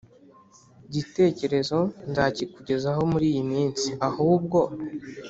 gitekerezo nzakikugezaho muri iyi minsi. Ahubwo